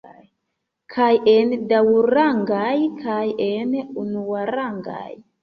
Kaj en duarangaj kaj en unuarangaj.